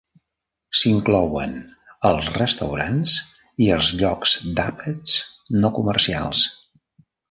S'inclouen els restaurants i els llocs d'àpats no comercials.